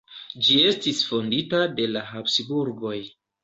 Ĝi estis fondita de la Habsburgoj.